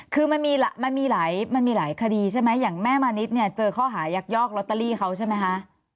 คือมันมีหลายมันมีหลายคดีใช่ไหมอย่างแม่มณิชย์เนี่ยเจอข้อหายักยอกลอตเตอรี่เขาใช่ไหมคะ